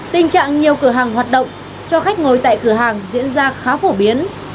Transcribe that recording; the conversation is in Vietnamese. tình trạng nhiều cửa hàng hoạt động cho khách ngồi tại cửa hàng diễn ra khá phổ biến